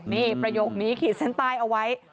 นี่ประโยคนี้ขีดเส้นใต้เอาไว้